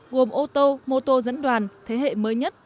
gồm ô tô mô tô dẫn đoàn thế hệ mới nhất